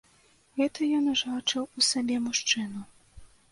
Гэта ён ужо адчуў у сабе мужчыну.